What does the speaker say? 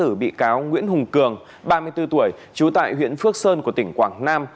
xử bị cáo nguyễn hùng cường ba mươi bốn tuổi trú tại huyện phước sơn của tỉnh quảng nam